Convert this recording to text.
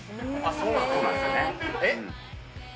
そうなんですよね。